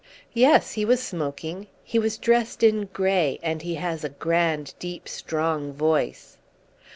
"Yes, he was smoking. He was dressed in grey, and he has a grand deep strong voice."